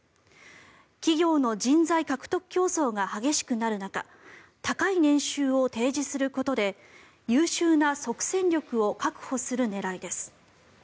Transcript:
企業の人材獲得競争が激しくなる中高い年収を提示することで優秀な即戦力を確保する狙いです。